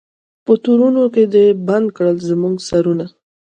په تورونو کي دي بند کړل زموږ سرونه